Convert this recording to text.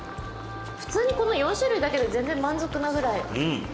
普通にこの４種類だけで全然満足なぐらい。